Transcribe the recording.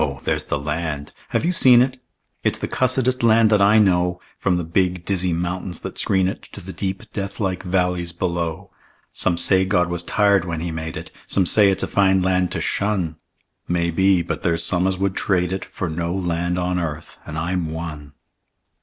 No! There's the land. (Have you seen it?) It's the cussedest land that I know, From the big, dizzy mountains that screen it To the deep, deathlike valleys below. Some say God was tired when He made it; Some say it's a fine land to shun; Maybe; but there's some as would trade it For no land on earth and I'm one.